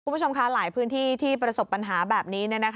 คุณผู้ชมค่ะหลายพื้นที่ที่ประสบปัญหาแบบนี้